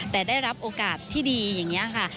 แต่ได้รับโอกาสที่ดีอย่างนี้ค่ะ